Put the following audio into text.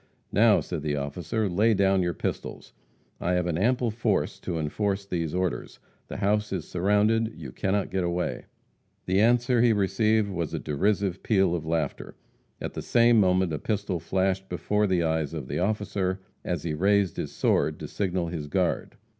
"Now," said the officer, "lay down your pistols. I have an ample force to enforce these orders. The house is surrounded; you cannot get away." The answer he received was a derisive peal of laughter. At the same moment a pistol flashed before the eyes of the officer as he raised his sword to signal his guard.